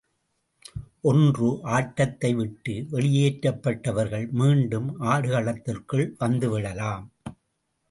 ஒன்று ஆட்டத்தை விட்டு வெளியேற்றப்பட்டவர்கள் மீண்டும் ஆடுகளத்திற்குள் வந்து ஆடலாம்.